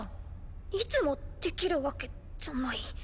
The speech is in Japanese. いつもできるわけじゃない。